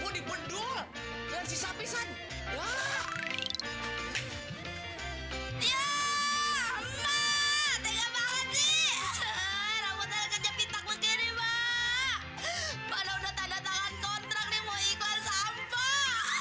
ini mendulur dan sisa pisang ya maksimal sih rambutnya kecap hitam begini mbak pada